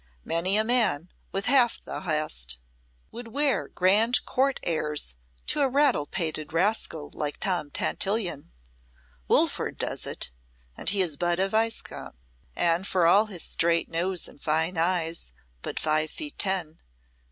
Many a man, with half thou hast, would wear grand Court airs to a rattle pated rascal like Tom Tantillion. Wilford does it and he is but a Viscount, and for all his straight nose and fine eyes but five feet ten.